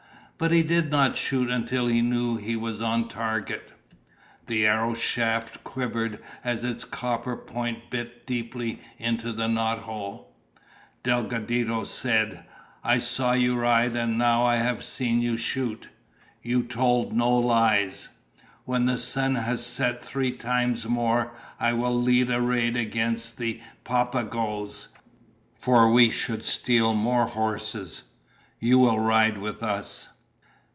But he did not shoot until he knew he was on target. The arrow's shaft quivered as its copper point bit deeply into the knothole. Delgadito said, "I saw you ride, and now I have seen you shoot. You told no lies. When the sun has risen three times more, I will lead a raid against the Papagoes, for we should steal more horses. You will ride with us."